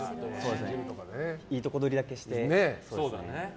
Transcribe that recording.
いいとこどりだけして。